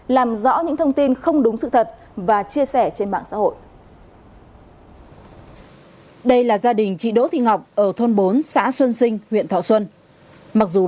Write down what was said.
làm rõ những thông tin không đúng sự thật và chia sẻ trên mạng xã hội